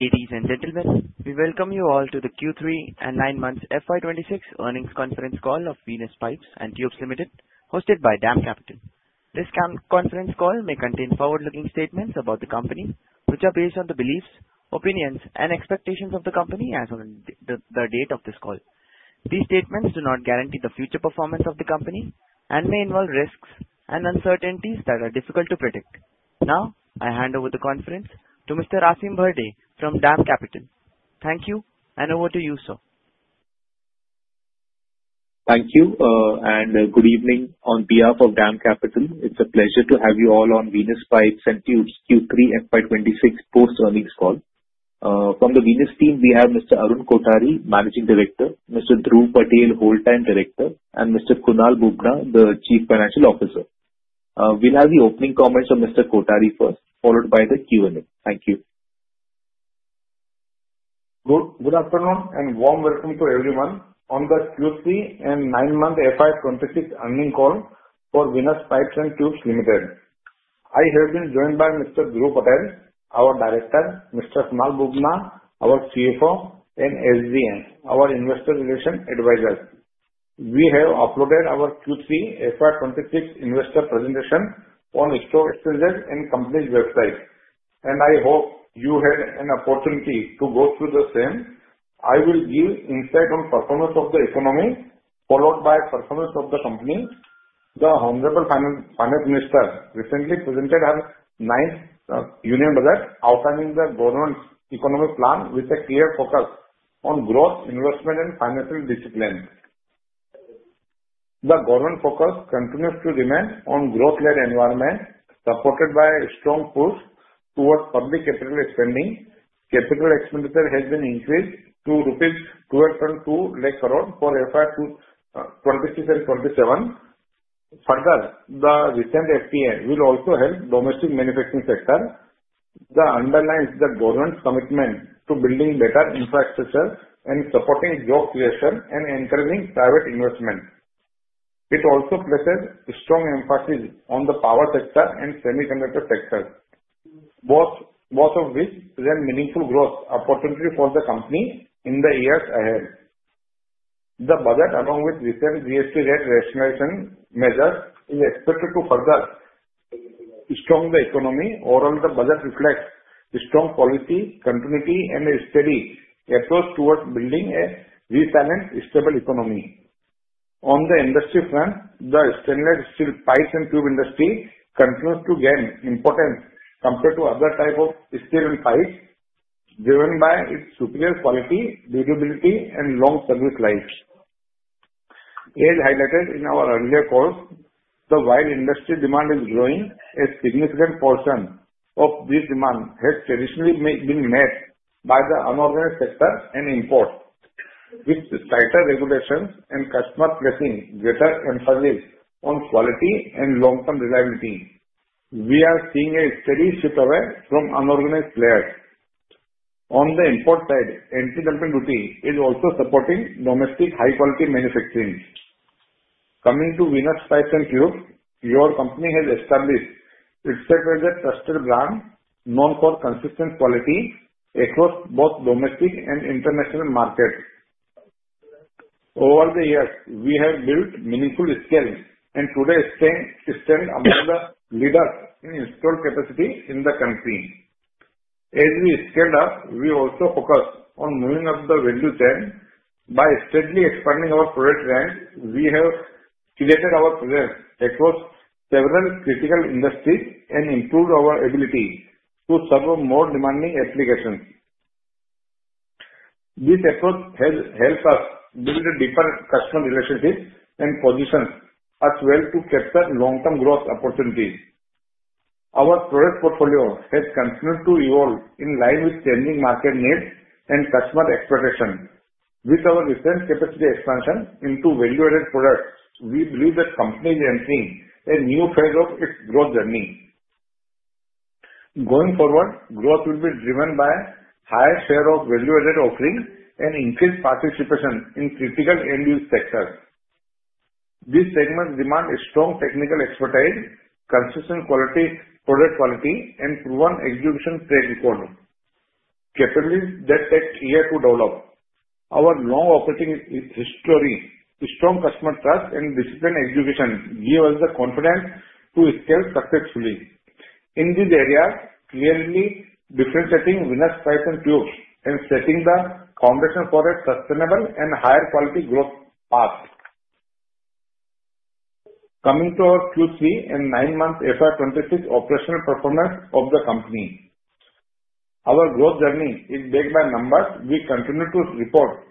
Ladies and gentlemen, we welcome you all to the Q3 and nine-month FY 2026 earnings conference call of Venus Pipes and Tubes Limited, hosted by DAM Capital. This conference call may contain forward-looking statements about the company, which are based on the beliefs, opinions, and expectations of the company as on the date of this call. These statements do not guarantee the future performance of the company and may involve risks and uncertainties that are difficult to predict. Now, I hand over the conference to Mr. Aasim Bharde from DAM Capital. Thank you, and over to you, sir. Thank you, and good evening. On behalf of DAM Capital, it's a pleasure to have you all on Venus Pipes and Tubes' Q3 FY 2026 post-earnings call. From the Venus team, we have Mr. Arun Kothari, Managing Director, Mr. Dhruv Patel, Whole-Time Director, and Mr. Kunal Bubna, the Chief Financial Officer. We'll have the opening comments from Mr. Kothari first, followed by the Q&A. Thank you. Good afternoon, and warm welcome to everyone on the Q3 and nine-month FY 2026 earnings call for Venus Pipes and Tubes Limited. I have been joined by Mr. Dhruv Patel, our Director, Mr. Kunal Bubna, our CFO, and HDM, our investor relation advisor. We have uploaded our Q3 FY 2026 investor presentation on the stock exchanges and company's website, and I hope you had an opportunity to go through the same. I will give insight on performance of the economy, followed by performance of the company. The Honorable Finance Minister recently presented her ninth Union Budget, outlining the government's economic plan with a clear focus on growth, investment, and financial discipline. The government focus continues to remain on growth-led environment supported by a strong push towards public capital spending. Capital expenditure has been increased to rupees 202 lakh crore for FY 2026 and FY 2027. Further, the recent FTA will also help domestic manufacturing sector that underlines the government's commitment to building better infrastructure and supporting job creation and encouraging private investment. It also places a strong emphasis on the power sector and semiconductor sector, both of which lend meaningful growth opportunity for the company in the years ahead. The budget, along with recent GST rate rationalization measures, is expected to further strengthen the economy. Overall, the budget reflects a strong policy, continuity, and a steady approach towards building a resilient, stable economy. On the industry front, the stainless steel pipes and tube industry continues to gain importance compared to other type of steel pipes, driven by its superior quality, durability, and long service life. As highlighted in our earlier calls, while industry demand is growing, a significant portion of this demand has traditionally been met by the unorganized sector and import. With tighter regulations and customers placing greater emphasis on quality and long-term reliability, we are seeing a steady shift away from unorganized players. On the import side, anti-dumping duty is also supporting domestic high-quality manufacturing. Coming to Venus Pipes and Tubes, your company has established itself as a trusted brand known for consistent quality across both domestic and international markets. Over the years, we have built meaningful scaling and today stand among the leaders in installed capacity in the country. As we scale up, we also focus on moving up the value chain. By steadily expanding our product range, we have created our presence across several critical industries and improved our ability to serve more demanding applications. This approach has helped us build deeper customer relationships and positions us well to capture long-term growth opportunities. Our product portfolio has continued to evolve in line with changing market needs and customer expectations. With our recent capacity expansion into value-added products, we believe the company is entering a new phase of its growth journey. Going forward, growth will be driven by higher share of value-added offerings and increased participation in critical end-use sectors. These segments demand a strong technical expertise, consistent product quality, and proven execution track record, capabilities that take years to develop. Our long operating history, strong customer trust, and disciplined execution give us the confidence to scale successfully. In this area, clearly differentiating Venus Pipes and Tubes and setting the foundation for a sustainable and higher quality growth path. Coming to our Q3 and nine-month FY 2026 operational performance of the company. Our growth journey is backed by numbers. We continue to report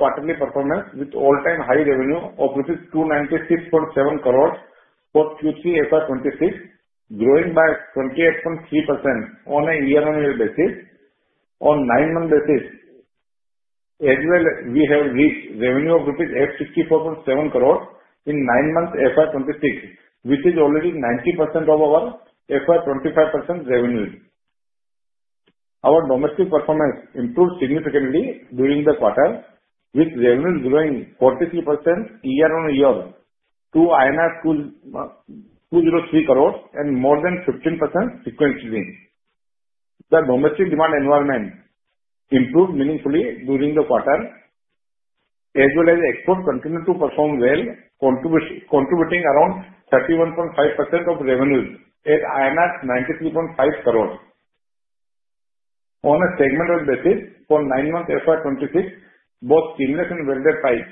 quarterly performance with all-time high revenue of INR 296.7 crores for Q3 FY 2026, growing by 28.3% on a year-on-year basis. On nine-month basis, as well, we have reached revenue of rupees 864.7 crores in nine-month FY 2026, which is already 90% of our FY 2025 revenue. Our domestic performance improved significantly during the quarter, with revenue growing 43% year-on-year to 203 crores and more than 15% sequentially. The domestic demand environment improved meaningfully during the quarter, as well as export continued to perform well, contributing around 31.5% of revenues at 93.5 crores. On a segmented basis for nine months FY 2026, both seamless and welded pipes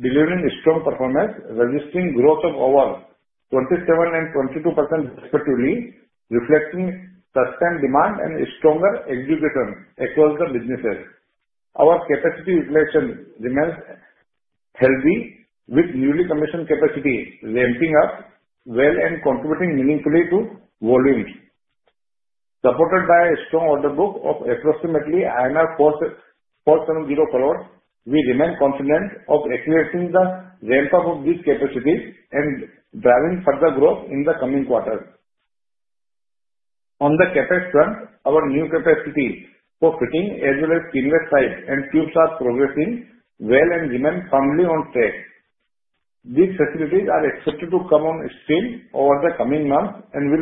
delivering strong performance, registering growth of over 27% and 22% respectively, reflecting sustained demand and stronger execution across the businesses. Our capacity utilization remains healthy with newly commissioned capacity ramping up well and contributing meaningfully to volumes. Supported by a strong order book of approximately 400 crores, we remain confident of accelerating the ramp-up of these capacities and driving further growth in the coming quarters. On the CapEx front, our new capacity for fitting as well as seamless pipes and tubes are progressing well and remain firmly on track. These facilities are expected to come on stream over the coming months and we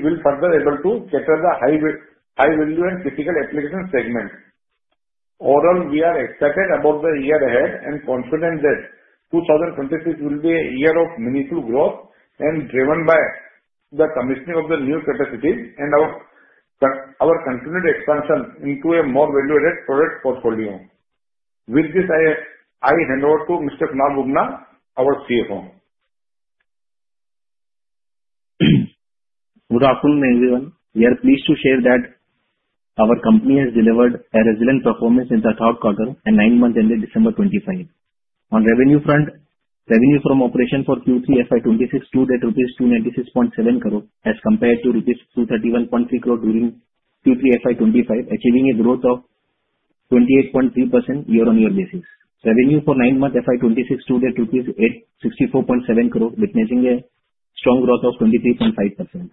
will further able to cater the high value and critical application segment. Overall, we are excited about the year ahead and confident that 2026 will be a year of meaningful growth and driven by the commissioning of the new capacities and our continued expansion into a more value-added product portfolio. With this, I hand over to Mr. Kunal Bubna, our CFO. Good afternoon, everyone. We are pleased to share that our company has delivered a resilient performance in the third quarter and nine months, ending December 2025. On revenue front, revenue from operation for Q3 FY 2026 stood at rupees 296.7 crores as compared to rupees 231.3 crores during Q3 FY 2025, achieving a growth of 28.3% year-over-year basis. Revenue for nine months FY 2026 stood at INR 864.7 crores, witnessing a strong growth of 23.5%.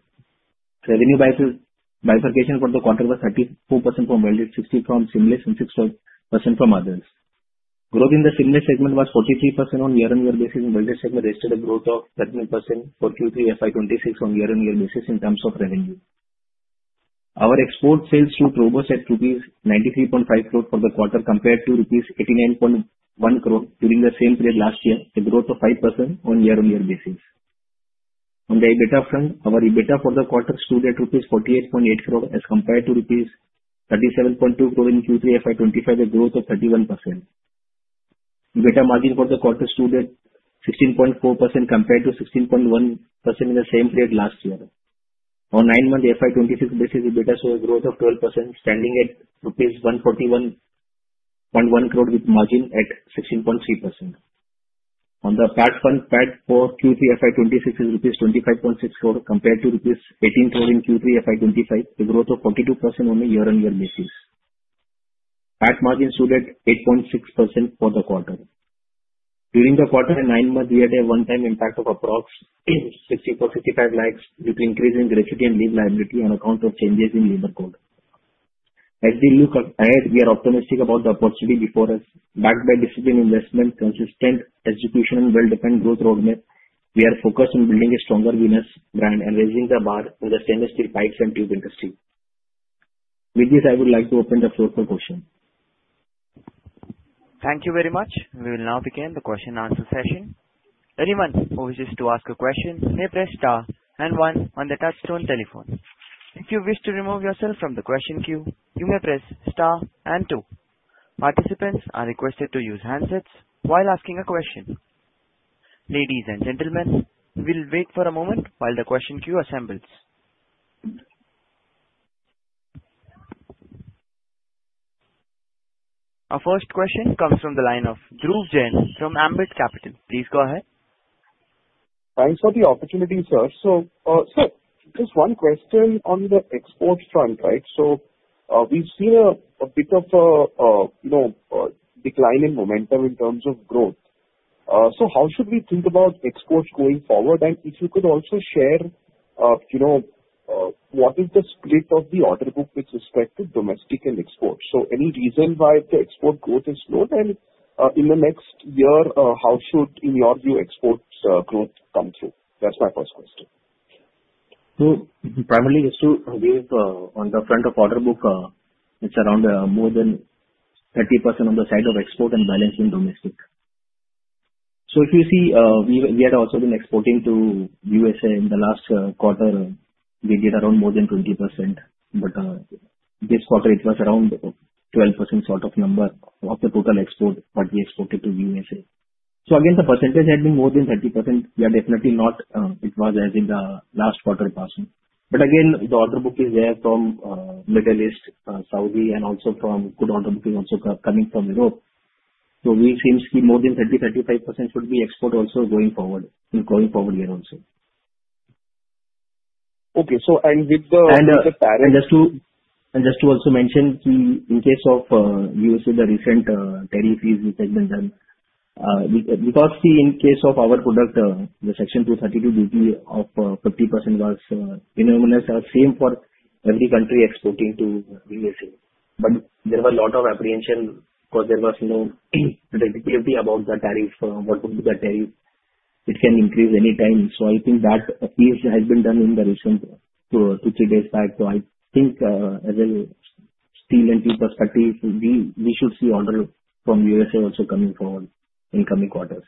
Revenue bifurcation for the quarter was 34% from welded, 60% from seamless and 6% from others. Growth in the seamless segment was 43% year-over-year basis. Welded segment registered a growth of 13% for Q3 FY 2026 year-over-year basis in terms of revenue. Our export sales stood robust at 93.5 crores for the quarter compared to INR 89.1 crores during the same period last year, a growth of 5% year-over-year basis. On the EBITDA front, our EBITDA for the quarter stood at rupees 48.8 crores as compared to rupees 37.2 crores in Q3 FY 2025, a growth of 31%. EBITDA margin for the quarter stood at 16.4% compared to 16.1% in the same period last year. On nine-month FY 2026 basis, EBITDA saw a growth of 12%, standing at rupees 141.1 crores with margin at 16.3%. On the PAT front, PAT for Q3 FY 2026 is INR 25.6 crores compared to INR 18 crores in Q3 FY 2025, a growth of 42% year-over-year basis. PAT margin stood at 8.6% for the quarter. During the quarter and nine months, we had a one-time impact of approx INR 64.55 lakhs due to increase in gratuity and leave liability on account of changes in labor code. As we look ahead, we are optimistic about the opportunity before us, backed by disciplined investment, consistent execution, and well-defined growth roadmap. We are focused on building a stronger Venus brand and raising the bar for the seamless steel pipes and tube industry. With this, I would like to open the floor for questions. Thank you very much. We will now begin the question and answer session. Anyone who wishes to ask a question may press star and one on the touchtone telephone. If you wish to remove yourself from the question queue, you may press star and two. Participants are requested to use handsets while asking a question. Ladies and gentlemen, we will wait for a moment while the question queue assembles. Our first question comes from the line of Dhruv Jain from Ambit Capital. Please go ahead. Thanks for the opportunity, sir. Just one question on the export front. We've seen a bit of a decline in momentum in terms of growth. How should we think about exports going forward? If you could also share what is the split of the order book with respect to domestic and export. Any reason why the export growth is slow? In the next year, how should, in your view, exports growth come through? That's my first question. Primarily, on the front of order book, it's around more than 30% on the side of export and balancing domestic. If you see, we had also been exporting to U.S.A. in the last quarter. We did around more than 20%, but this quarter it was around 12% sort of number of the total export, what we exported to U.S.A. Again, the percentage had been more than 30%. It was as in the last quarter passing. Again, the order book is there from Middle East, Saudi and also good order booking also coming from Europe. We think more than 30%-35% should be export also going forward here also. Okay. Just to also mention, in case of U.S.A., the recent tariff which has been done. Because in case of our product, the Section 232 duty of 50% was unanimous same for every country exporting to U.S.A. There was a lot of apprehension because there was no clarity about the tariff, what would be the tariff. It can increase any time. I think that has been done in the recent two, three days back. I think as a steel and pipe perspective, we should see orders from U.S.A. also coming forward in coming quarters.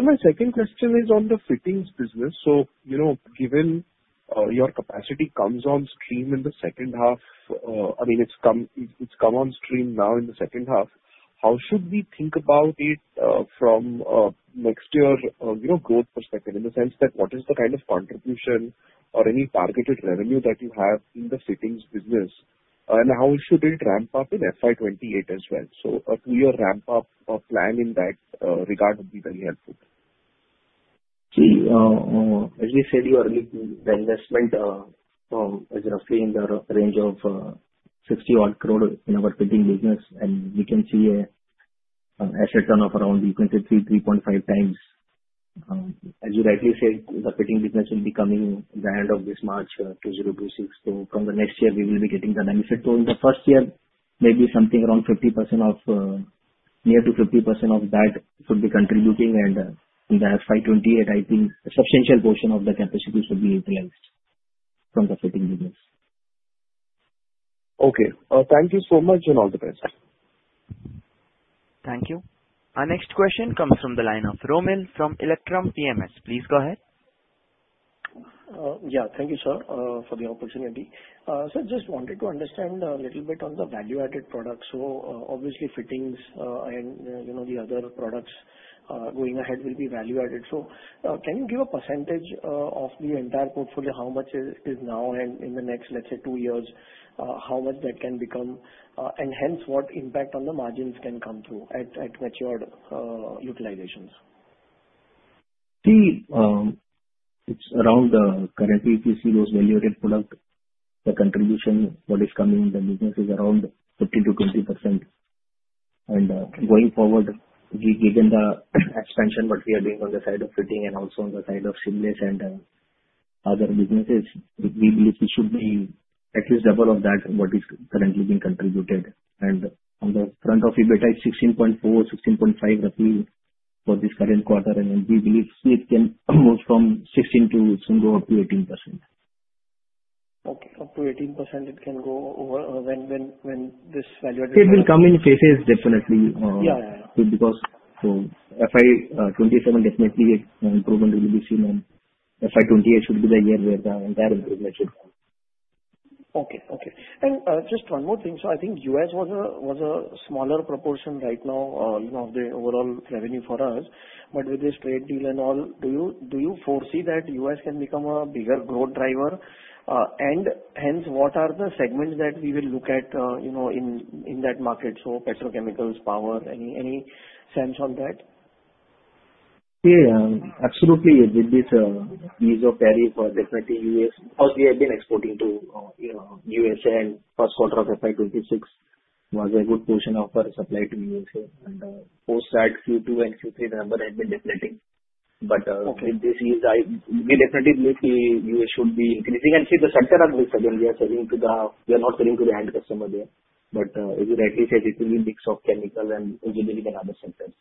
My second question is on the fittings business. Given your capacity comes on stream in the second half, I mean, it's come on stream now in the second half. How should we think about it from next year growth perspective, in the sense that what is the kind of contribution or any targeted revenue that you have in the fittings business, and how should it ramp up in FY 2028 as well? To your ramp up or plan in that regard would be very helpful. As we said earlier, the investment is roughly in the range of 60 odd crore in our fitting business, and we can see an asset turn of around, you can say 3 to 3.5 times. As you rightly said, the fitting business will be coming the end of this March 2026. From the next year, we will be getting the benefit. In the first year, maybe something around near to 50% of that should be contributing. In the FY 2028, I think a substantial portion of the capacity should be utilized from the fitting business. Okay. Thank you so much, and all the best. Thank you. Our next question comes from the line of Romil from Electrum PMS. Please go ahead. Yeah. Thank you, sir, for the opportunity. Sir, just wanted to understand a little bit on the value-added product. Obviously, fittings and the other products going ahead will be value-added. Can you give a percentage of the entire portfolio, how much it is now and in the next, let's say, 2 years, how much that can become, and hence what impact on the margins can come through at matured utilizations? It's around, currently, if you see those value-added product, the contribution that is coming in the business is around 15%-20%. Going forward, given the expansion that we are doing on the side of fitting and also on the side of seamless and other businesses, we believe it should be at least double of that from what is currently being contributed. On the front of EBITDA, it's 16.4, 16.5 roughly for this current quarter, then we believe it can move from 16% to soon go up to 18%. Okay. Up to 18% it can go over when this value-added. It will come in phases, definitely. Yeah. FY 2027, definitely improvement will be seen, and FY 2028 should be the year where the entire improvement should come. Okay. Just one more thing. I think U.S. was a smaller proportion right now of the overall revenue for us. With this trade deal and all, do you foresee that U.S. can become a bigger growth driver? Hence, what are the segments that we will look at in that market? Petrochemicals, power, any sense on that? Yeah, absolutely. With this ease of tariff for definitely U.S., because we have been exporting to U.S.A., first quarter of FY 2026 was a good portion of our supply to U.S.A. Post that Q2 and Q3 number had been definitely. Okay With this ease, we definitely believe U.S. should be increasing. The sector of this segment, we are not selling to the end customer there. As you rightly said, it will be mix of chemical and engineering and other sectors.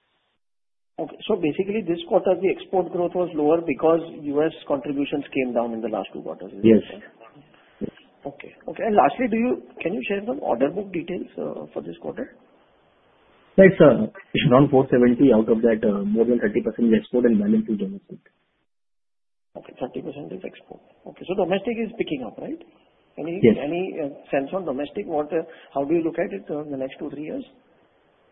Okay. Basically, this quarter, the export growth was lower because U.S. contributions came down in the last two quarters. Yes. Okay. Lastly, can you share some order book details for this quarter? It's around 470. Out of that, more than 30% is export and 90% domestic. Okay, 30% is export. Okay. Domestic is picking up, right? Yes. Any sense on domestic? How do you look at it in the next two, three years?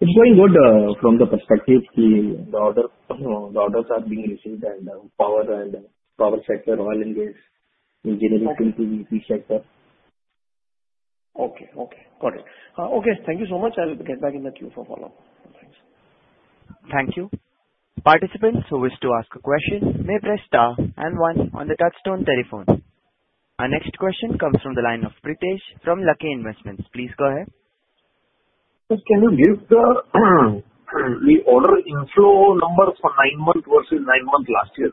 It's very good from the perspective the orders are being received and power sector, oil and gas, engineering, PRPG sector. Okay. Got it. Okay, thank you so much. I'll get back in the queue for follow-up. Thanks. Thank you. Participants who wish to ask a question may press star and one on the touchtone telephone. Our next question comes from the line of Pritesh from Lakhe Investments. Please go ahead. Sir, can you give the order inflow numbers for nine months versus nine months last year?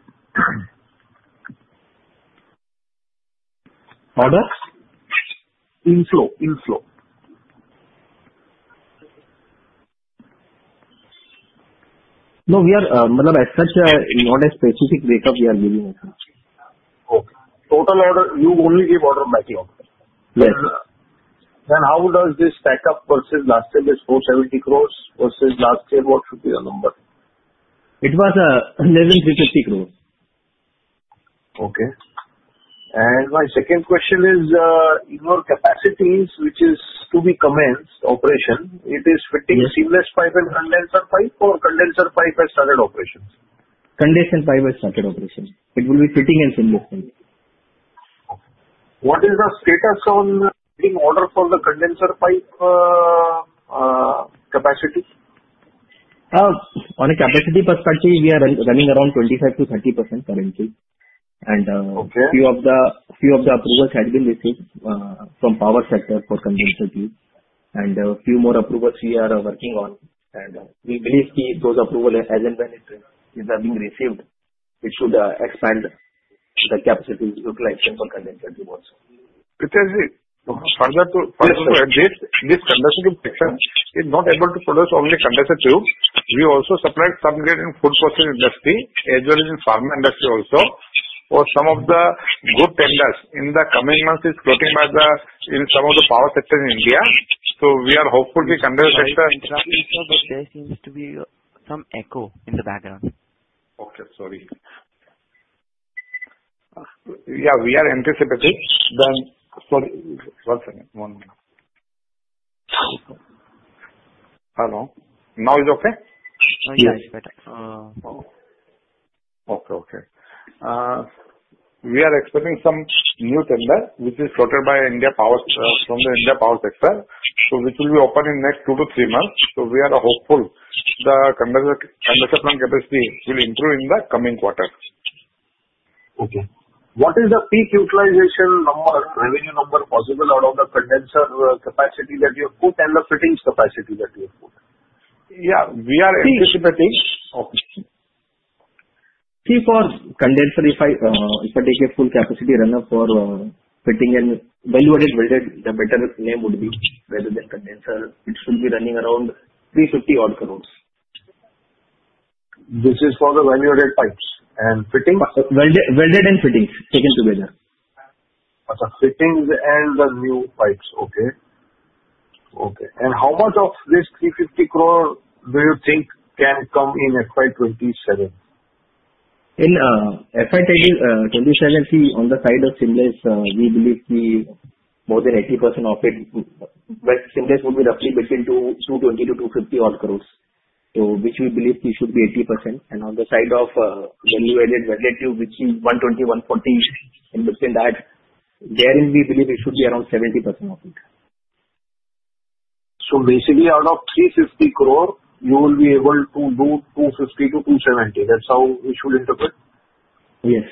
Orders? Inflow. No, as such, not a specific breakup we are giving right now. Okay. Total order, you only give order backlog. Yes. How does this stack up versus last year? This 470 crores versus last year, what should be your number? It was 1,150 crores. Okay. My second question is, in your capacities, which is to be commenced operation, it is fitting seamless pipe and condenser pipe, or condenser pipe has started operations? Condenser pipe has started operations. It will be fitting and seamless only. What is the status on fitting order for the condenser pipe capacity? On a capacity perspective, we are running around 25%-30% currently. Okay. Few of the approvals had been received from power sector for condenser tube, and few more approvals we are working on, and we believe those approval as and when it is being received, it should expand the capacities utilization for condenser tube also. Mr. AJ, further to this condenser section, is not able to produce only condenser tube. We also supply some grade in food processing industry, as well as in pharma industry also. For some of the good tenders in the coming months is floated by some of the power sector in India. We are hopeful the condenser section. Sorry to interrupt you, sir, there seems to be some echo in the background. Okay. Sorry. Yeah, we are anticipating the Sorry. One second. One minute. Hello. Now is okay? Now it's better. Okay. We are expecting some new tender, which is floated from the India power sector. Which will be open in next two to three months. We are hopeful the condenser tube capacity will improve in the coming quarter. Okay. What is the peak utilization number, revenue number possible out of the condenser capacity that you have put and the fittings capacity that you have put? Yeah. We are anticipating- Okay. See, for condenser, if I take a full capacity runner for fitting and value-added welded, the better name would be rather than condenser, it should be running around 350 odd crore. This is for the value-added pipes and fitting. Welded and fittings taken together. Okay. Fittings and the new pipes. Okay. How much of this 350 crore do you think can come in FY 2027? In FY 2027, on the side of seamless, we believe more than 80% of it. Seamless would be roughly between 220-250 crores. Which we believe it should be 80%. On the side of value-added welded tube, which is 120, 140-ish, in between that. Therein, we believe it should be around 70% of it. Basically, out of 350 crore, you will be able to do 250-270. That's how we should interpret? Yes.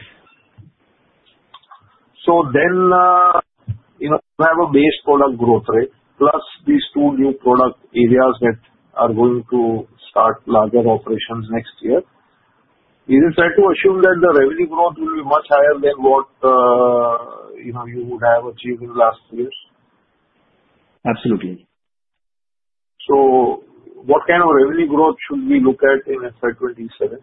You have a base product growth rate plus these two new product areas that are going to start larger operations next year. Is it fair to assume that the revenue growth will be much higher than what you would have achieved in the last years? Absolutely. What kind of revenue growth should we look at in FY 2027?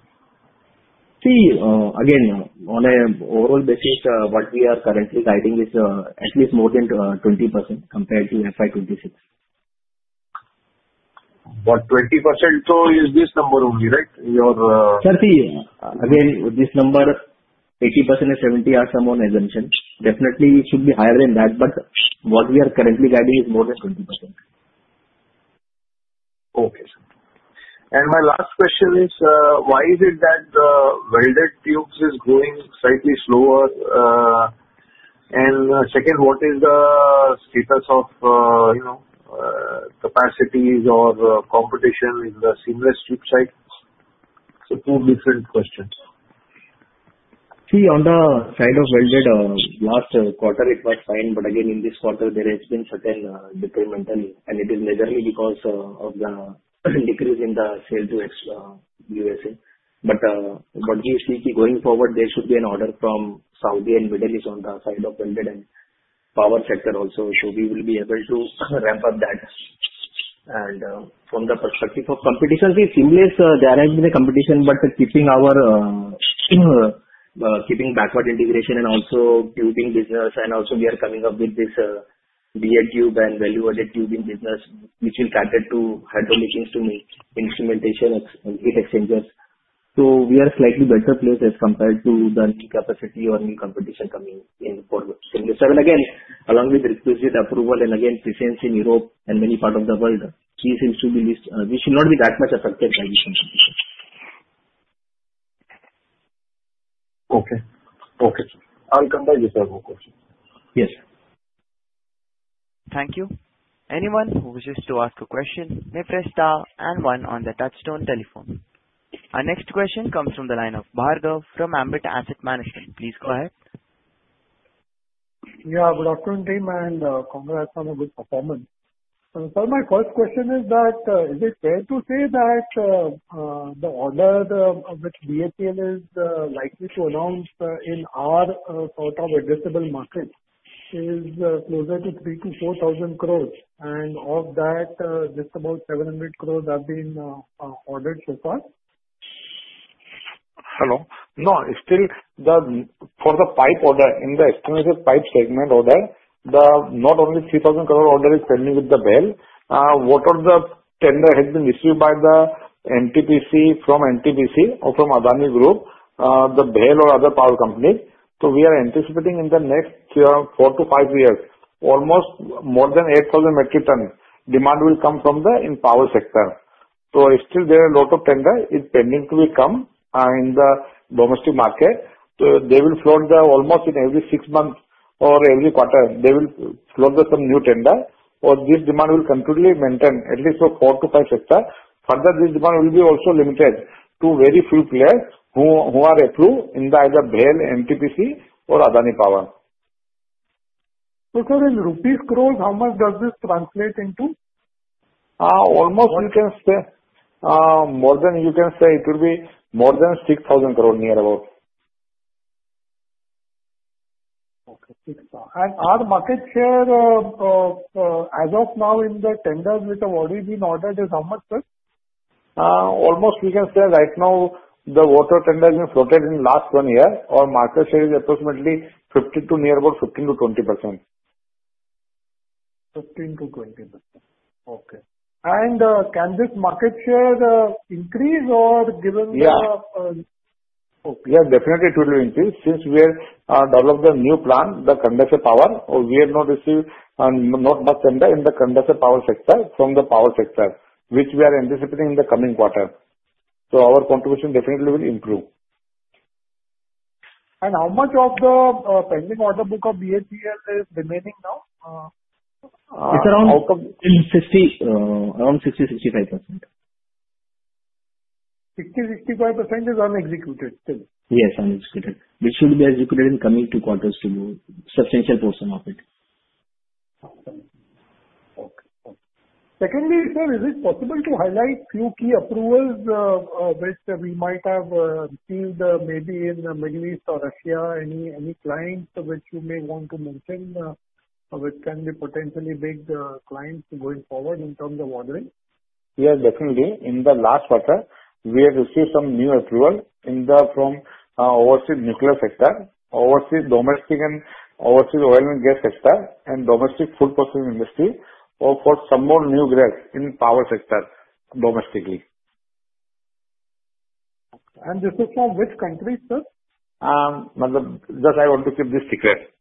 again, on an overall basis, what we are currently guiding is at least more than 20% compared to FY 2026. 20%, is this number only, right? Sir, again, this number, 80% and 70 are some assumptions. Definitely it should be higher than that, what we are currently guiding is more than 20%. Okay. My last question is, why is it that welded tubes is growing slightly slower? Second, what is the status of capacities or competition in the seamless tube side? Two different questions. On the side of welded, last quarter it was fine, again, in this quarter there has been certain detrimental, it is majorly because of the decrease in the sale to U.S.A. What we see, going forward, there should be an order from Saudi and Middle East on the side of welded and power sector also. We will be able to ramp up that. From the perspective of competition, seamless, there has been a competition, but keeping backward integration and also tubing business and also we are coming up with this value-added tube and value-added tubing business, which will cater to hydro machines to make instrumentation heat exchangers. We are slightly better placed as compared to the new capacity or new competition coming in forward. Seamless, again, along with requisite approval and again presence in Europe and many part of the world, we should not be that much affected by this competition. Okay. I'll come back with one more question. Yes. Thank you. Anyone who wishes to ask a question may press star and one on their touchtone telephone. Our next question comes from the line of Bhargav from Ambit Asset Management. Please go ahead. Yeah. Good afternoon, team, and congrats on a good performance. Sir, my first question is that, is it fair to say that the order which BHEL is likely to announce in our sort of addressable market is closer to 3,000-4,000 crore, and of that, just about 700 crore have been ordered so far? Hello. No. For the pipe order, in the explosives pipe segment order, not only 3,000 crore order is pending with the BHEL. What are the tender has been issued by the NTPC from NTPC or from Adani Group, the BHEL or other power company. We are anticipating in the next 4-5 years, almost more than 8,000 metric ton demand will come from the power sector. Still there are a lot of tender is pending to come in the domestic market. They will float almost in every 6 months or every quarter, they will float some new tender. This demand will continually maintain at least for 4-5 sector. Further, this demand will be also limited to very few players who are approved in the either BHEL, NTPC or Adani Power. Sir, in rupees crore, how much does this translate into? Almost you can say it will be more than 6,000 crore, near about. Okay. 6,000. Our market share as of now in the tenders which have already been ordered is how much, sir? Almost we can say right now, the water tenders we've floated in last one year, our market share is near about 15%-20%. 15%-20%. Okay. Can this market share increase or given the- Yeah. Okay. Yeah, definitely it will increase since we have developed a new plant, the condenser power, or we have now received not much tender in the condenser power sector from the power sector, which we are anticipating in the coming quarter. Our contribution definitely will improve. How much of the pending order book of BHEL is remaining now? It's around 60%-65%. 60%-65% is unexecuted still? Yes, unexecuted, which will be executed in coming two quarters to substantial portion of it. Okay. Secondly, sir, is it possible to highlight few key approvals, which we might have received maybe in the Middle East or Russia? Any clients which you may want to mention, which can be potentially big clients going forward in terms of ordering? Yes, definitely. In the last quarter, we have received some new approval from overseas nuclear sector, overseas domestic and overseas oil and gas sector, and domestic food processing industry, for some more new grids in power sector domestically. This is from which country, sir? This I want to keep this secret.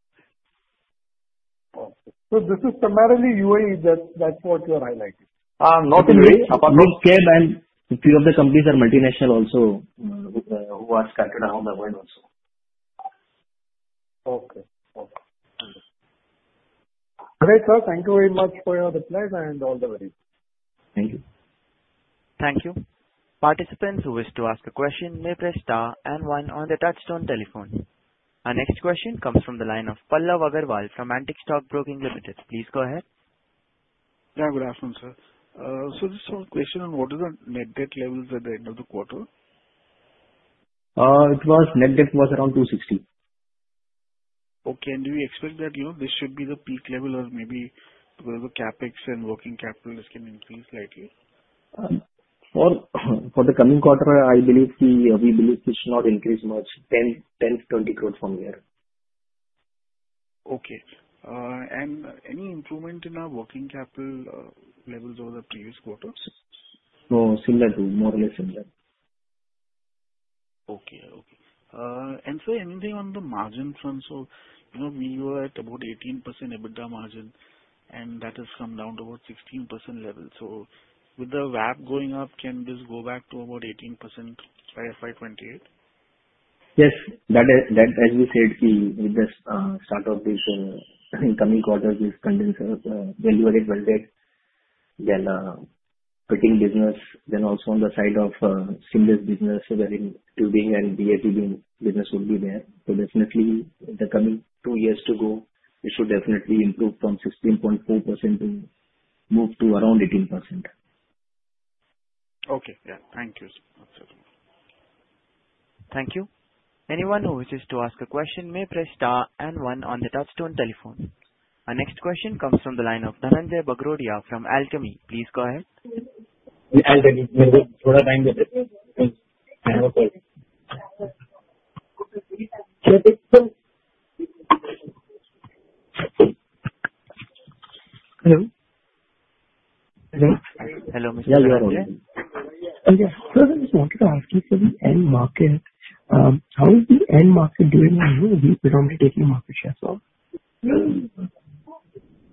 Okay. This is primarily UAE, that's what you're highlighting? Not only. Both KAB and few of the companies are multinational also, who are scattered around the world also. Okay. Understood. Great, sir. Thank you very much for your replies and all the best. Thank you. Thank you. Participants who wish to ask a question may press star 1 on their touchtone telephone. Our next question comes from the line of Pallav Aggarwal from Antique Stock Broking Limited. Please go ahead. Yeah, good afternoon, sir. Just one question on what is the net debt levels at the end of the quarter? Net debt was around 260. Okay. Do you expect that this should be the peak level or maybe because of CapEx and working capital, this can increase slightly? For the coming quarter, we believe it should not increase much. 10 crores-20 crores from here. Okay. Any improvement in our working capital levels over the previous quarters? No, similar to it. More or less similar. Okay. Sir, anything on the margin front? We were at about 18% EBITDA margin, and that has come down to about 16% level. With the RAB going up, can this go back to about 18% by FY 2028? Yes. As we said, with the start of this coming quarter, this condenser delivery project, then fitting business, then also on the side of seamless business, wherein tubing and BHEL business will be there. Definitely, in the coming two years to go, it should definitely improve from 16.4% and move to around 18%. Okay. Yeah. Thank you, sir. Thank you. Anyone who wishes to ask a question may press star and one on the touchtone telephone. Our next question comes from the line of Dhananjai Bagrodia from Alchemy. Please go ahead. Alchemy. Hello. Hello. Sir, I just wanted to ask you, the end market, how is the end market doing and how are we predominantly taking market share as well? Can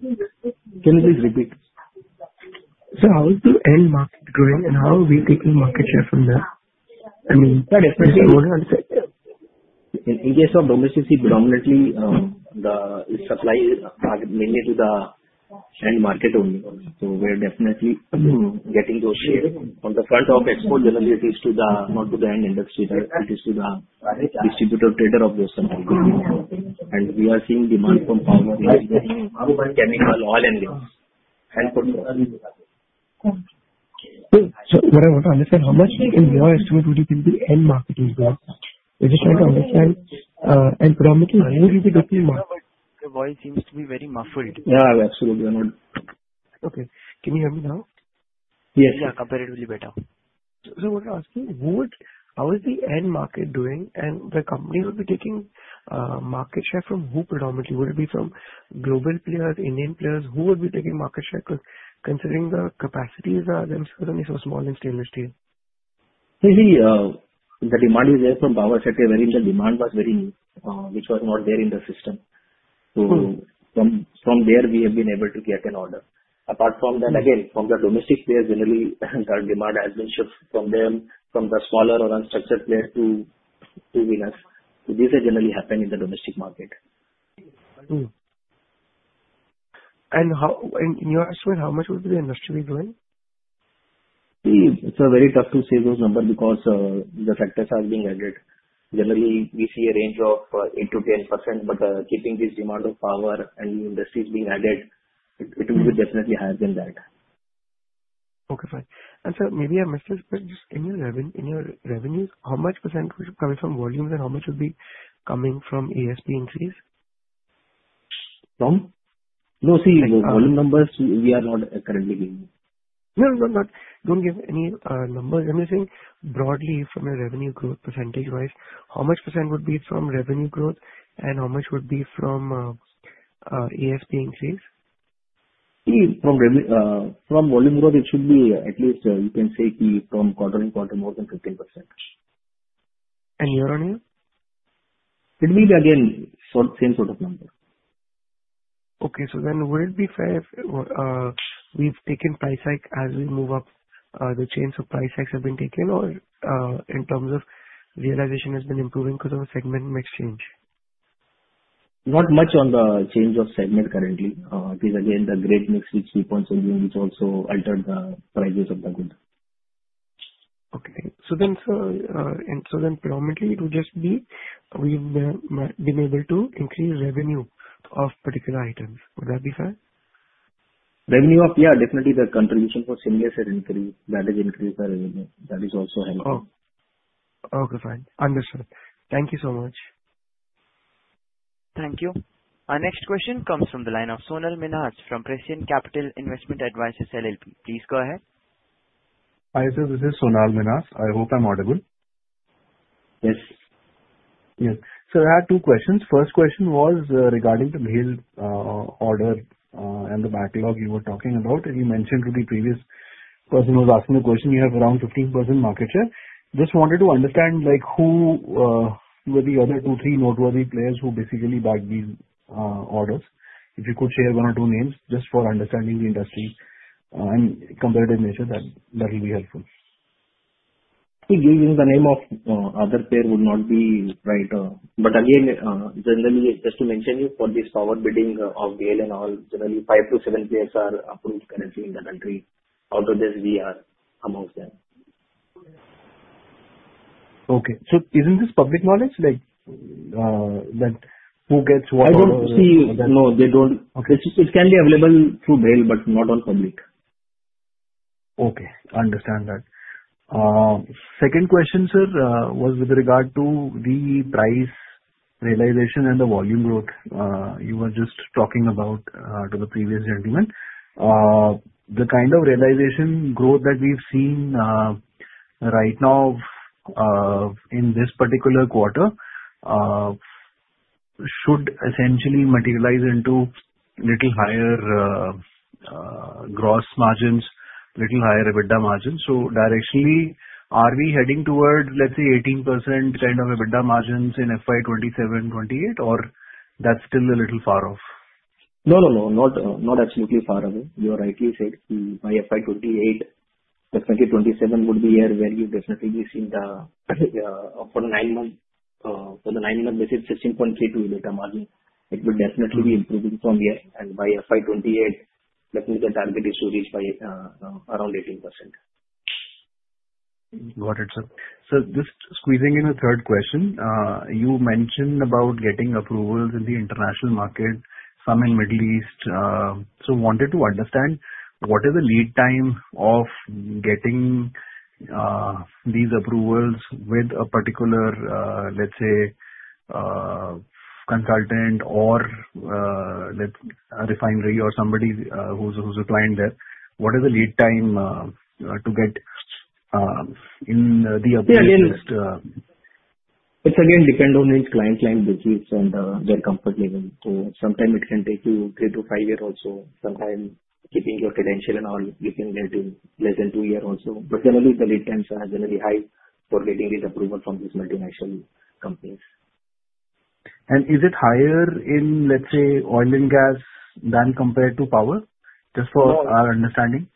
you please repeat? Sir, how is the end market doing? How are we taking market share from there? I mean. Sir, definitely. In case of domestic, predominantly, the supply is mainly to the end market only. We're definitely getting those shares. On the front of export, generally it is not to the end industry, it is to the distributor, trader of those. We are seeing demand from power plants, chemical, oil and gas, and petroleum. Okay. What I want to understand, how much in your estimate would you give the end market as well? I'm just trying to understand, predominantly, how are you taking market. Your voice seems to be very muffled. Yeah, absolutely. Okay. Can you hear me now? Yes. Yeah, comparatively better. I want to ask you, how is the end market doing and the company will be taking market share from who predominantly? Would it be from global players, Indian players? Who would be taking market share, considering the capacities are certainly so small in stainless steel. See, the demand is there from power sector wherein the demand was which was not there in the system. From there we have been able to get an order. Apart from that, again, from the domestic players, generally, demand has been shifted from them, from the smaller or unstructured players to us. These generally happen in the domestic market. Mm-hmm. In your estimate, how much would be the industry growing? It's very tough to say those numbers because the factors are being added. Generally, we see a range of 8%-10%, but keeping this demand of power and industries being added, it will be definitely higher than that. Okay, fine. Sir, maybe I missed this, but just in your revenues, how much % should come from volumes and how much would be coming from ASP increase? From? No. Volume numbers, we are not currently giving. No, don't give any numbers. I'm just saying broadly from a revenue growth percentage-wise, how much % would be from revenue growth and how much would be from ASP increase? See, from volume growth, it should be at least, you can say from quarter-on-quarter, more than 15%. Year-on-year? It will be again, same sort of numbers. Okay. Would it be fair if we've taken price hike as we move up, the chains of price hikes have been taken or in terms of realization has been improving because of a segment mix change? Not much on the change of segment currently. It is again, the grade mix is three points volume, which also altered the prices of the goods. Okay. Predominantly, it would just be, we've been able to increase revenue of particular items. Would that be fair? Revenue up, yeah, definitely. The contribution for seniors are increased, that is increased for revenue. That is also helping. Oh, okay, fine. Understood. Thank you so much. Thank you. Our next question comes from the line of Sonal Meenas from Prisian Capital Investment Advisors LLP. Please go ahead. Hi, sir. This is Sonal Meenas. I hope I am audible. Yes. Yes. I have two questions. First question was regarding the BHEL order and the backlog you were talking about, and you mentioned to the previous person who was asking the question, you have around 15% market share. Just wanted to understand who were the other two, three noteworthy players who basically bagged these orders. If you could share one or two names just for understanding the industry and comparative measure, that will be helpful. See giving the name of other player would not be right. Again, generally, just to mention you, for this power bidding of BHEL and all, generally five to seven players are approved currently in the country. Out of this, we are amongst them. Okay. Isn't this public knowledge? Like who gets what. I don't see. No, they don't. Okay. It can be available through BHEL, but not on public. Okay, I understand that. Second question, sir, was with regard to the price realization and the volume growth. You were just talking about to the previous gentleman. The kind of realization growth that we've seen right now in this particular quarter should essentially materialize into little higher gross margins, little higher EBITDA margins. Directionally, are we heading towards, let's say, 18% kind of EBITDA margins in FY 2027 and 2028, or that's still a little far off? No, not absolutely far away. You rightly said by FY 2028, the 2027 would be a year where you've definitely seen the for nine months. For the nine months, this is 16.32% EBITDA margin. It will definitely be improving from here and by FY 2028, that means the target is to reach by around 18%. Got it, sir. Just squeezing in a third question. You mentioned about getting approvals in the international market, some in Middle East. Wanted to understand, what is the lead time of getting these approvals with a particular, let's say, consultant or a refinery or somebody who's applying there. What is the lead time to get in the approval list? It again depend on each client's line budgets and their comfort level. Sometime it can take you three to five years also. Sometime keeping your credential and all, it can get in less than two years also. Generally, the lead times are generally high for getting these approval from these multinational companies. Is it higher in, let's say, oil and gas than compared to power? Just for our understanding.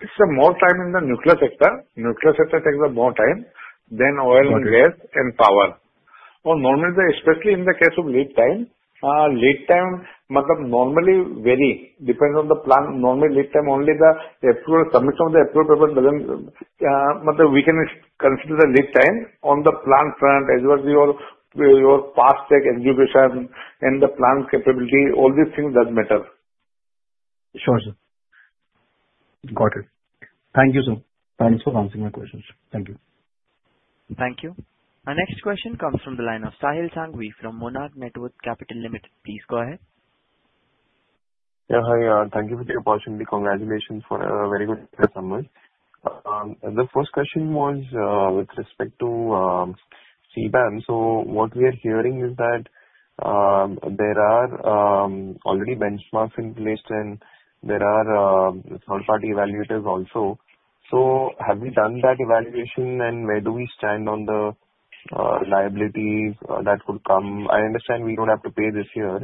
It's more time in the nuclear sector. Nuclear sector takes more time than oil and gas and power. Normally, especially in the case of lead time. Lead time normally vary, depends on the plan. We can consider the lead time on the plant front as well as your past track execution and the plant capability, all these things does matter. Sure, sir. Got it. Thank you, sir. Thanks for answering my questions. Thank you. Thank you. Our next question comes from the line of Sahil Sanghvi from Monarch Networth Capital Limited. Please go ahead. Yeah. Hi. Thank you for the opportunity. Congratulations for a very good summer. The first question was with respect to CBAM. What we are hearing is that there are already benchmarks in place and there are third-party evaluators also. Have we done that evaluation and where do we stand on the liabilities that could come? I understand we don't have to pay this year,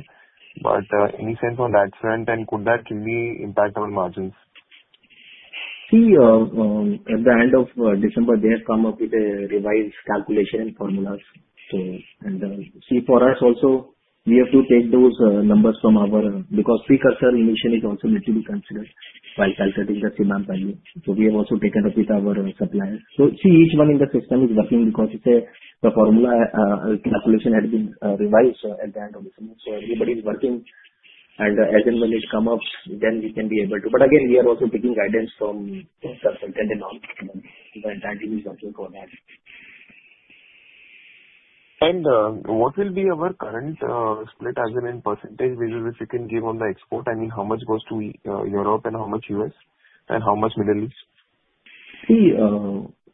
but any sense on that front and could that really impact our margins? At the end of December, they have come up with a revised calculation formulas. We have to take those numbers from our. Because precursor emission is also need to be considered while calculating the cement value. We have also taken up with our suppliers. Each one in the system is working because the formula calculation has been revised at the end of December. Everybody's working, and as and when it come ups, then we can be able to. Again, we are also taking guidance from certain entities also for that. What will be our current split as in percentage basis, if you can give on the export. I mean, how much goes to Europe and how much U.S., and how much Middle East?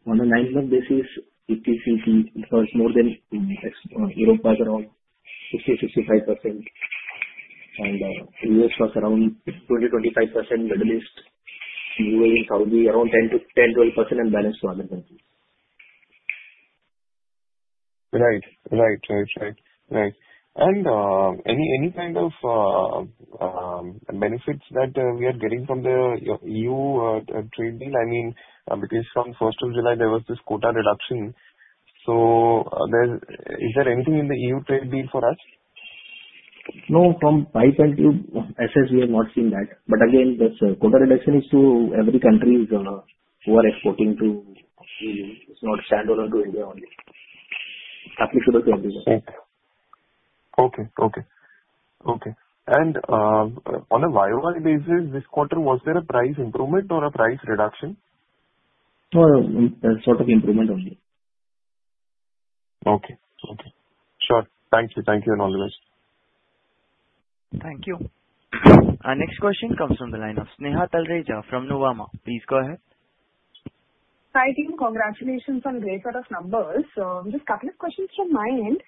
On a nine month basis, it was Europe was around 60%-65%, and U.S. was around 20%-25%. Middle East, UAE and Saudi, around 10%-12%, and balance to other countries. Right. Any kind of benefits that we are getting from the EU trade deal? I mean, because from 1st of July, there was this quota reduction. Is there anything in the EU trade deal for us? No. From pipes and tubes, as such, we have not seen that. Again, this quota reduction is to every country who are exporting to the EU. It's not standalone to India only. Applicable to everyone. Okay. On a Y-o-Y basis, this quarter, was there a price improvement or a price reduction? No, a sort of improvement only. Okay. Sure. Thank you. Thank you, and all the best. Thank you. Our next question comes from the line of Sneha Talreja from Nuvama. Please go ahead. Hi, team. Congratulations on great set of numbers. Just two questions from my end.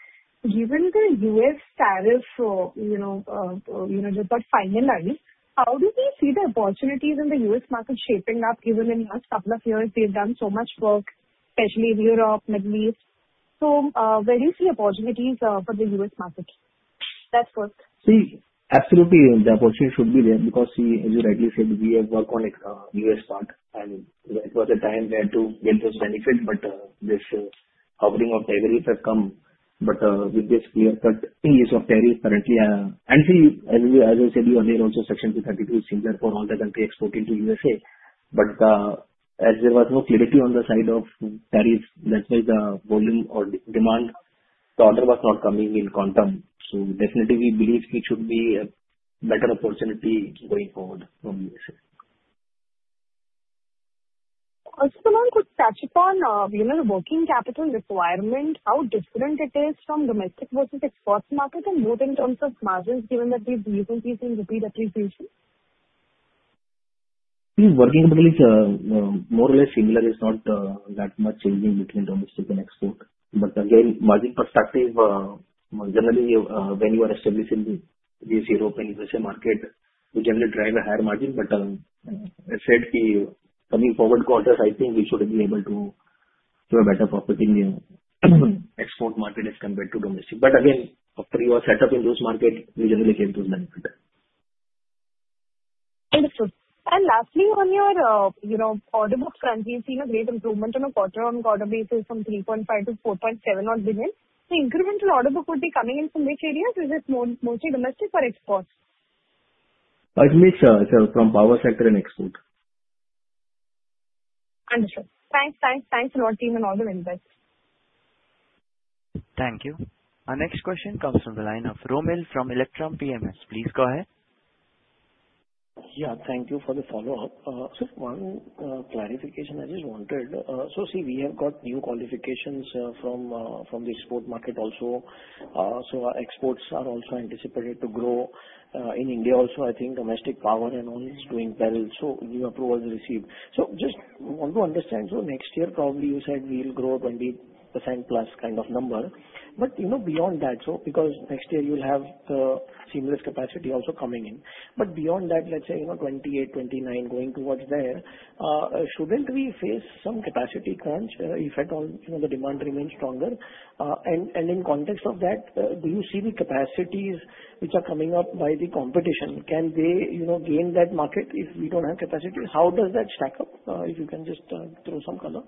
Given the U.S. tariff, that got finalized, how do we see the opportunities in the U.S. market shaping up, given in last two years they've done so much work, especially with Europe, Middle East. Where do you see opportunities for the U.S. market? That's first. Absolutely, the opportunity should be there because, as you rightly said, we have worked on U.S. part, and there was a time where to get those benefits, but this hovering of tariff had come. With this clear cut ease of tariff currently, and as I said earlier also, Section 232 is same for all the country exporting to U.S.A. As there was no clarity on the side of tariffs, that's why the volume or demand, the order was not coming in quantum. Definitely we believe it should be a better opportunity going forward from U.S.A. One could touch upon the working capital requirement, how different it is from domestic versus export market, and more in terms of margins, given that we've recently seen rupee depreciation. See, working capital is more or less similar. It's not that much changing between domestic and export. Again, margin perspective, generally, when you are establishing these European, U.S.A. market, we generally drive a higher margin. As said, coming forward quarters, I think we should be able to do a better profit in export market as compared to domestic. Again, after you are set up in those markets, we generally came to a benefit. Understood. Lastly, on your order book currency, we've seen a great improvement on a quarter-on-quarter basis from 3.5 billion-4.7 billion odd. The incremental order book would be coming in from which areas? Is it mostly domestic or export? Mainly from power sector and export. Understood. Thanks a lot, team, and all the very best. Thank you. Our next question comes from the line of Romil from Electrum PMS. Please go ahead. Thank you for the follow-up. Sir, one clarification I just wanted. See, we have got new qualifications from the export market also. Our exports are also anticipated to grow. In India also, I think domestic power and all is doing well. We have two orders received. Just want to understand. Next year probably you said we'll grow 20% plus kind of number. Beyond that, because next year you will have the seamless capacity also coming in. Beyond that, let's say, 2028, 2029 going towards there, shouldn't we face some capacity crunch if at all the demand remains stronger? In context of that, do you see the capacities which are coming up by the competition, can they gain that market if we don't have capacity? How does that stack up? If you can just throw some color.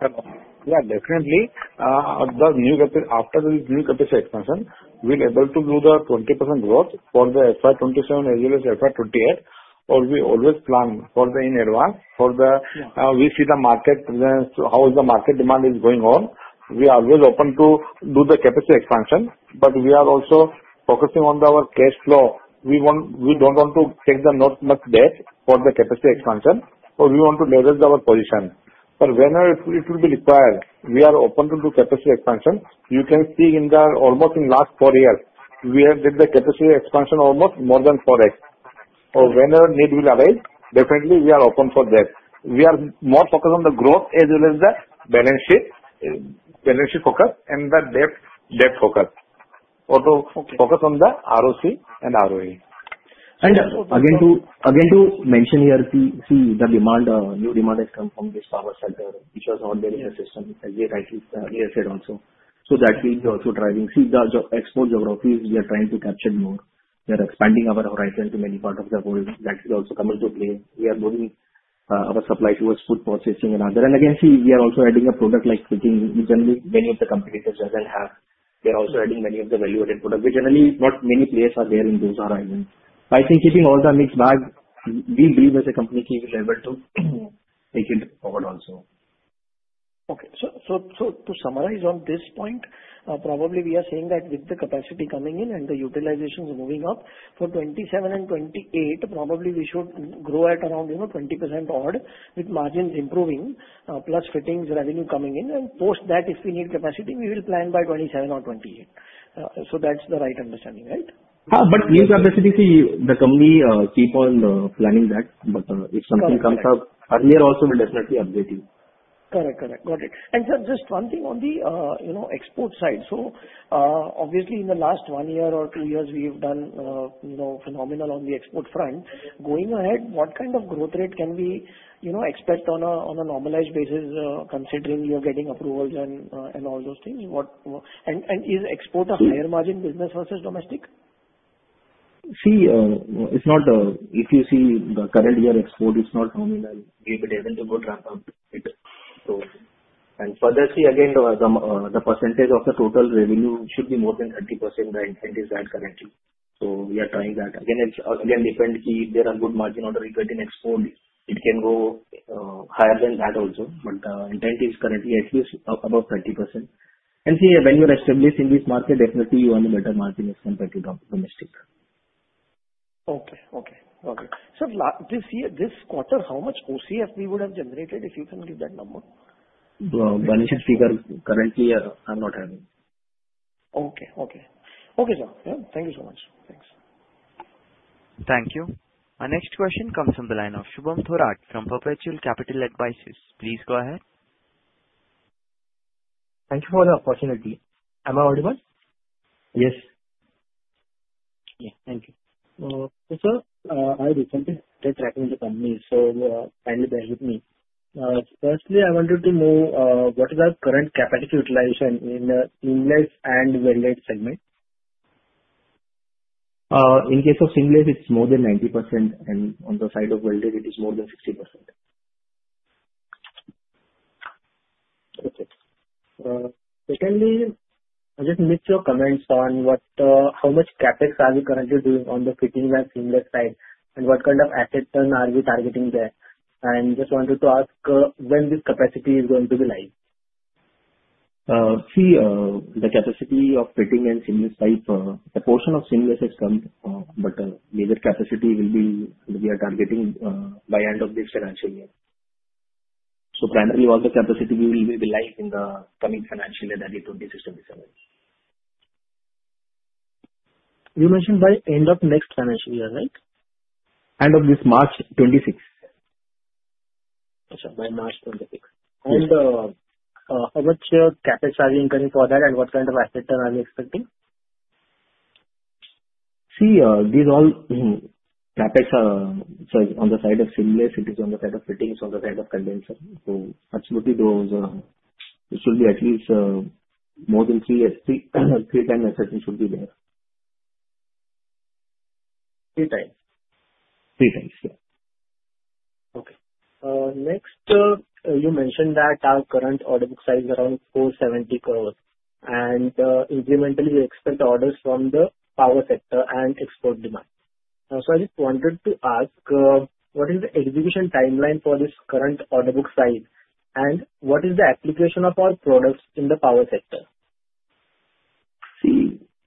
Definitely. After this new capacity expansion, we'll able to do the 20% growth for the FY 2027 as well as FY 2028. We always plan for the in advance. Yeah. We see the market, how the market demand is going on. We are always open to do the capacity expansion. We are also focusing on our cash flow. We don't want to take the not much debt for the capacity expansion. We want to leverage our position. Whenever it will be required, we are open to do capacity expansion. You can see in the almost in last four years, we have did the capacity expansion almost more than 4x. Whenever need will arise, definitely we are open for that. We are more focused on the growth as well as the balance sheet focus and the debt focus. Okay. Also focus on the ROCE and ROE. Again to mention here, see the new demand has come from this power sector, which was not there in the system, as I think I said also. That we're also driving. See the export geographies we are trying to capture more. We are expanding our horizon to many part of the world. That will also come into play. Our suppliers towards food processing and other. Again, see, we are also adding a product like fitting, which generally many of the competitors doesn't have. We are also adding many of the value-added products, which generally not many players are there in those I see. By keeping all the mixed bag, we believe as a company, we will be able to take it forward also. Okay. To summarize on this point, probably we are saying that with the capacity coming in and the utilizations moving up, for 2027 and 2028, probably we should grow at around 20% odd with margins improving, plus fittings revenue coming in. Post that, if we need capacity, we will plan by 2027 or 2028. That's the right understanding, right? We are basically, the company keep on planning that. If something comes up per year also, we will definitely update you. Correct. Got it. Sir, just one thing on the export side. Obviously, in the last one year or two years, we have done phenomenal on the export front. Going ahead, what kind of growth rate can we expect on a normalized basis, considering you are getting approvals and all those things? Is export a higher margin business versus domestic? If you see the current year export, it is not nominal. We believe it is a good ramp up. Further, see, again, the percentage of the total revenue should be more than 30%. The intent is that currently. We are trying that. Again, it depends. See, if there are good margin order in export, it can go higher than that also. The intent is currently at least above 30%. See, when you are established in which market, definitely you want a better margin as compared to domestic. Okay. Sir, this quarter, how much OCF we would have generated, if you can give that number? Currently, I'm not having. Okay. Okay, sir. Thank you so much. Thanks. Thank you. Our next question comes from the line of Shubham Thorat from Perpetual Capital Advisors. Please go ahead. Thank you for the opportunity. Am I audible? Yes. Yeah, thank you. Sir, I recently started tracking the company, so kindly bear with me. Firstly, I wanted to know what is our current capacity utilization in seamless and welded segments. In case of seamless, it's more than 90%. On the side of welded, it is more than 60%. Okay. Secondly, I just need your comments on how much CapEx are we currently doing on the fittings and seamless side, and what kind of asset turn are we targeting there? Just wanted to ask when this capacity is going to be live. See, the capacity of fitting and seamless pipe, a portion of seamless has come, but major capacity we are targeting by end of this financial year. Primarily, all the capacity will be live in the coming financial year, that is, 2026, 2027. You mentioned by end of next financial year, right? End of this March 2026. Okay, sir, by March 2026. How much CapEx are we incurring for that, and what kind of asset turn are we expecting? See, these all CapEx are on the side of seamless, it is on the side of fittings, on the side of condenser. Absolutely, it should be at least more than three times asset should be there. Three times? Three times, yeah. Okay. Next, you mentioned that our current order book size around 470 crores, and incrementally we expect orders from the power sector and export demand. I just wanted to ask, what is the execution timeline for this current order book size, and what is the application of our products in the power sector?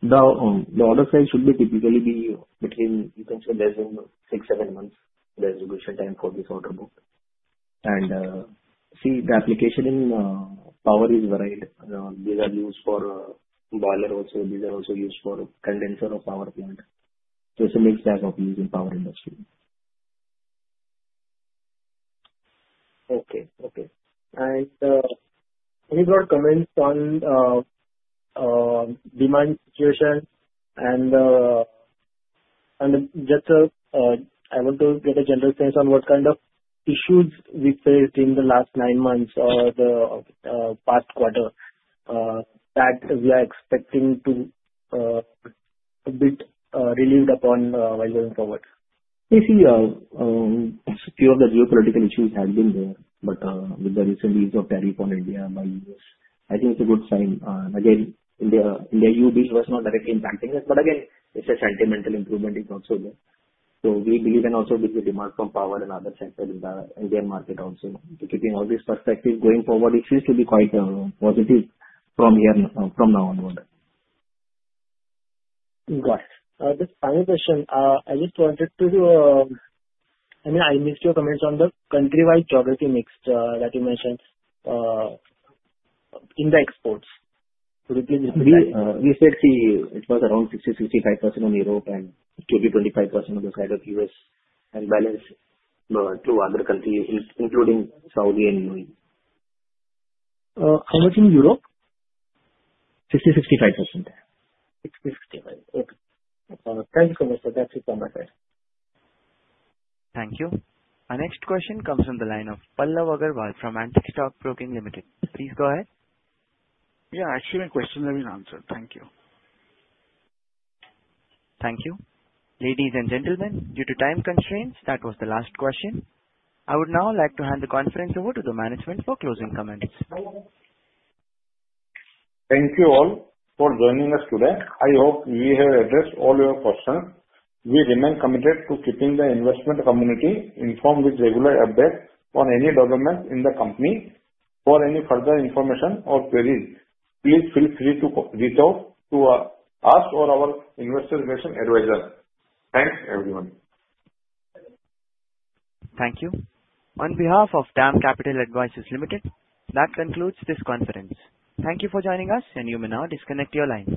The order size should be typically be between, you can say less than six, seven months, the execution time for this order book. The application in power is varied. These are used for boiler also. These are also used for condenser of power plant. It's a mixed bag of use in power industry. Okay. Any more comments on demand situation, and just I want to get a general sense on what kind of issues we faced in the last nine months or the past quarter, that we are expecting to a bit relieved upon going forward. See, few of the geopolitical issues have been there. With the recent ease of tariff on India by U.S., I think it's a good sign. India EU FTA was not directly impacting us. Again, it's a sentimental improvement is also there. We believe and also with the demand from power and other sectors in the Indian market also. Keeping all this perspective going forward, it seems to be quite positive from now onward. Got it. Just final question. I just wanted to I mean, I missed your comments on the country-wide geography mix that you mentioned in the exports. Could you please repeat that? We said, see, it was around 60%-65% on Europe and 25% on the side of U.S., and balance to other countries, including Saudi and UAE. How much in Europe? 60, 65%. 60, 65, okay. Thanks so much, sir. That's it from my side. Thank you. Our next question comes from the line of Pallav Aggarwal from Antique Stock Broking Limited. Please go ahead. Yeah, actually my question has been answered. Thank you. Thank you. Ladies and gentlemen, due to time constraints, that was the last question. I would now like to hand the conference over to the management for closing comments. Thank you all for joining us today. I hope we have addressed all your questions. We remain committed to keeping the investment community informed with regular updates on any development in the company. For any further information or queries, please feel free to reach out to us or our investor relation advisor. Thanks, everyone. Thank you. On behalf of DAM Capital Advisors Limited, that concludes this conference. Thank you for joining us, and you may now disconnect your lines.